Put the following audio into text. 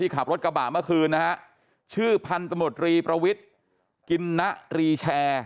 ขับรถกระบะเมื่อคืนนะฮะชื่อพันธมตรีประวิทย์กินนะรีแชร์